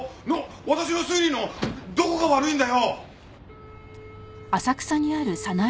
私の推理のどこが悪いんだよ！